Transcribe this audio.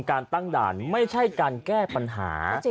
การตั้งด่านไม่ใช่การแก้ปัญหา